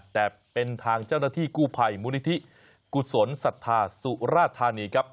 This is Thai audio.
แต่เป็นทางเจ้าหน้าที่กู้ภัยมูลนิธิกุศลศรัทธาสุราธานีครับ